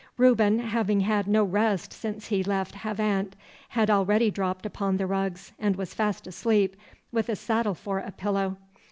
Reuben, having had no rest since he left Havant, had already dropped upon the rugs, and was fast asleep, with a saddle for a pillow.